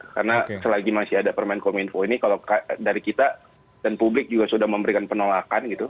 karena selagi masih ada permain kominfo ini kalau dari kita dan publik juga sudah memberikan penolakan gitu